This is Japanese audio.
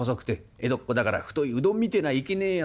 江戸っ子だから太いうどんみてえないけねえよ